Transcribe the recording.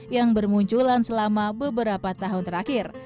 yang bermunculan selama beberapa tahun terakhir